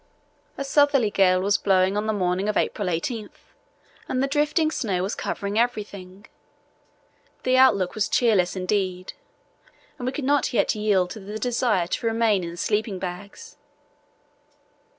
A southerly gale was blowing on the morning of April 18 and the drifting snow was covering everything. The outlook was cheerless indeed, but much work had to be done and we could not yield to the desire to remain in the sleeping bags.